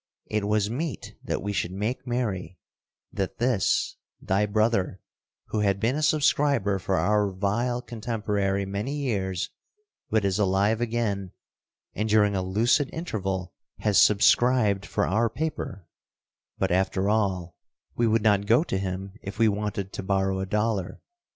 It was meet that we should make merry, that this, thy brother, who had been a subscriber for our vile contemporary many years, but is alive again, and during a lucid interval has subscribed for our paper; but, after all, we would not go to him if we wanted to borrow a dollar.